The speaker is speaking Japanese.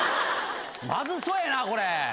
まずそうやなこれ。